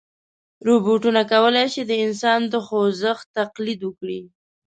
روبوټونه کولی شي د انسان د خوځښت تقلید وکړي.